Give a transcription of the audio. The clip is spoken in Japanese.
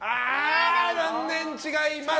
残念、違います。